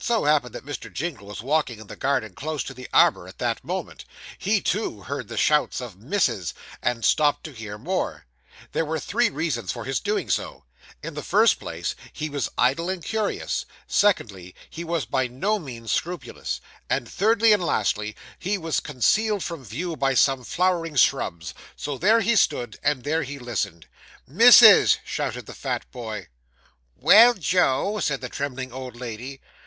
Now it so happened that Mr. Jingle was walking in the garden close to the arbour at that moment. He too heard the shouts of 'Missus,' and stopped to hear more. There were three reasons for his doing so. In the first place, he was idle and curious; secondly, he was by no means scrupulous; thirdly, and lastly, he was concealed from view by some flowering shrubs. So there he stood, and there he listened. 'Missus!' shouted the fat boy. 'Well, Joe,' said the trembling old lady.